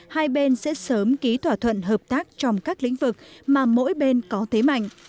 hai bên sẽ sớm ký thỏa thuận hợp tác trong các lĩnh vực mà mỗi bên có thế mạnh